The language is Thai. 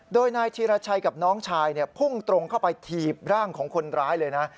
โดยนายธีรชัยกับน้องชายพุ่งตรงเข้าไปถีบร่างของคนร้ายเลยนะ